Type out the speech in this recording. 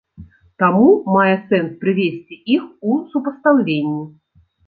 Таму мае сэнс прывесці іх у супастаўленні.